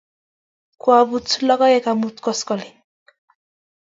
Kwaput logoek amut koskoling'